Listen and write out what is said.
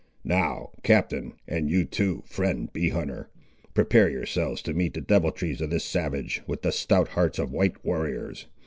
Now, captain, and you too, friend bee hunter, prepare yourselves to meet the deviltries of this savage, with the stout hearts of white warriors.